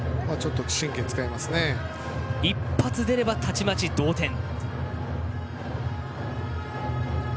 １発出ればたちまち同点です。